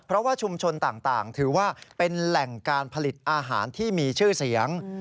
เพราะว่าชุมชนต่างถือว่าเป็นแหล่งการผลิตอาหารที่มีชื่อเสียง